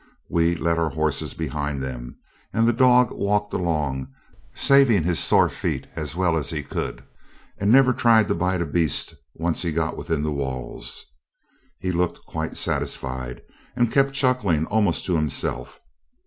We led our horses behind them, and the dog walked along, saving his sore feet as well as he could, and never tried to bite a beast once he got within the walls. He looked quite satisfied, and kept chuckling almost to himself.